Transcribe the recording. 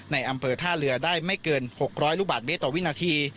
ในอำเภอท่าเรือได้ไม่เกิน๖๐๐ลูกบาทเมตรต่อวินาที